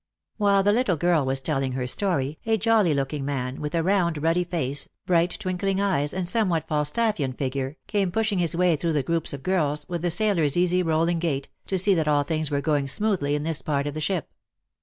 While the little girl was telling her story, a jolly looking man, with a round ruddy face, bright twinkling eyes, and somewhat Falstaffian figure, came pushing his way through the groups of girls, with the sailor's easy rolling gait, to see that all things were going smoothly in this part of his ship.